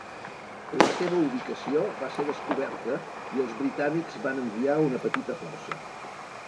La seva ubicació va ser descoberta i els britànics van enviar una petita força.